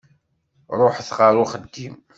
Ṛuḥet ɣer uxeddim.